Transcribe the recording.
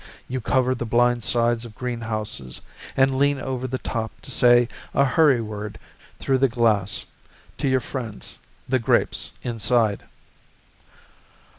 You cover the blind sides of greenhouses And lean over the top to say a hurry word through the glass To your friends, the grapes, inside.